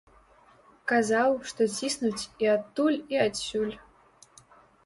Казаў, што ціснуць і адтуль, і адсюль.